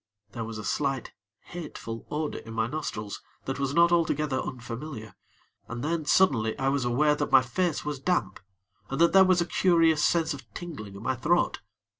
There was a slight, hateful odor in my nostrils that was not altogether unfamiliar, and then, suddenly, I was aware that my face was damp and that there was a curious sense of tingling at my throat.